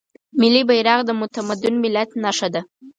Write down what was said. ملي بیرغ د متمدن ملت نښه ده.